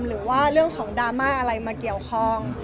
หรือว่าเรื่องของดราม่าอะไรมาเกี่ยวข้อง